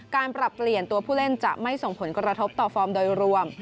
ปรับเปลี่ยนตัวผู้เล่นจะไม่ส่งผลกระทบต่อฟอร์มโดยรวม